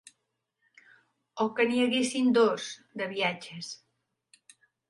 O que n'hi haguessin dos, de viatges.